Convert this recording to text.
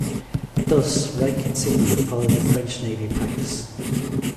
Thus, rank insignia follow the French Navy practice.